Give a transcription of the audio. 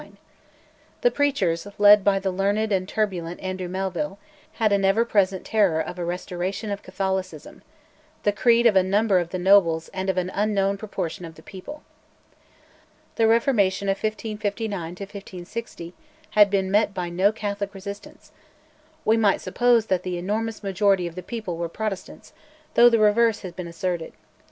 The preachers, led by the learned and turbulent Andrew Melville, had an ever present terror of a restoration of Catholicism, the creed of a number of the nobles and of an unknown proportion of the people. The Reformation of 1559 1560 had been met by no Catholic resistance; we might suppose that the enormous majority of the people were Protestants, though the reverse has been asserted.